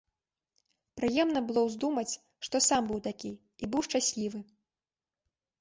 Прыемна было ўздумаць, што сам быў такі і быў шчаслівы.